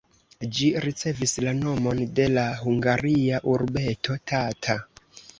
Ĝi ricevis la nomon de la hungaria urbeto Tata.